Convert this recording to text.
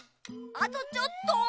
あとちょっと。